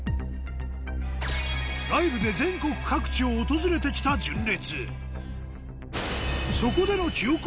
ライブで全国各地を訪れてきた純烈